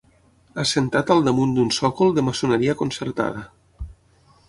Assentat al damunt d'un sòcol de maçoneria concertada.